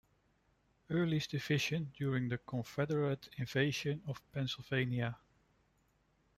Early's division during the Confederate invasion of Pennsylvania.